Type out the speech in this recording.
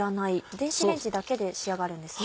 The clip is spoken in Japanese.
電子レンジだけで仕上がるんですね。